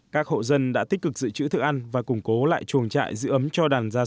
các hộ dân đã tích cực dự trữ thức ăn và củng cố lại chuồng trang